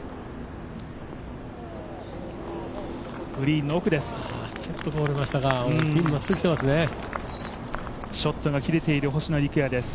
グリーンの奥です。